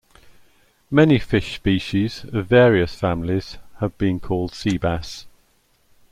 Many fish species of various families have been called sea bass.